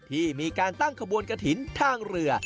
ที่มีการตั้งขบวนกระถิ่นทางเรือ